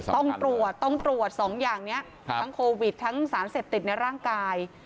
ต้องตรวจต้องตรวจ๒อย่างนี้ทั้งโควิดทั้งสารเสพติดในร่างกาย